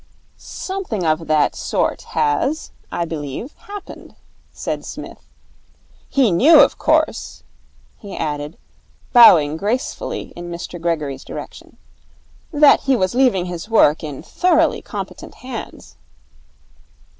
'Something of that sort has, I believe, happened,' said Psmith. 'He knew, of course,' he added, bowing gracefully in Mr Gregory's direction, 'that he was leaving his work in thoroughly competent hands.'